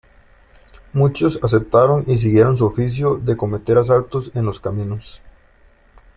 Muchos aceptaron y siguieron su oficio de cometer asaltos en los caminos.